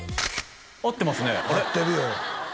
会ってますね会ってるよ